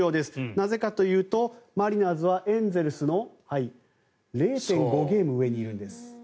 なぜかというとマリナーズはエンゼルスの０．５ゲーム上にいるんです。